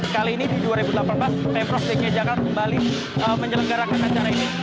kali ini di dua ribu delapan belas pemprov dki jakarta kembali menyelenggarakan acara ini